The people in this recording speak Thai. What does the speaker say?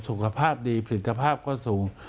สุขภาพดีผลิตภาพก็สูง